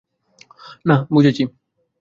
না, বুঝেছি।